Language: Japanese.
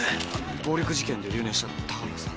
暴力事件で留年した高原さん。